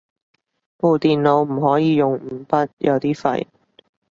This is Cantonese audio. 部電腦唔可以用五筆，有啲廢